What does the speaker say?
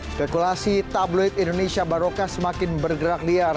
spekulasi tabloid indonesia barokah semakin bergerak liar